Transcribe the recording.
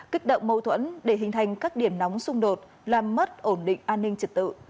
kích động mâu thuẫn để hình thành các điểm nóng xung đột làm mất ổn định an ninh trật tự